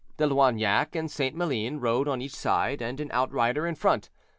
De Loignac and St. Maline rode on each side, and an outrider in front.